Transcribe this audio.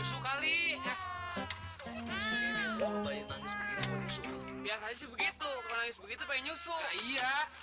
suka liat aja begitu begitu pengen nyusul iya